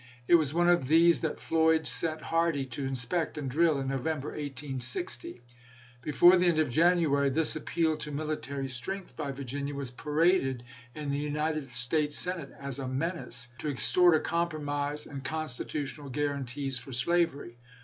It was one of these that Floyd sent Hardee to inspect and drill in November, 1860. Before the end of January, this appeal to military strength by Virginia was paraded in the United States Senate as a menace, to extort a compromise and constitu tional guarantees for slavery.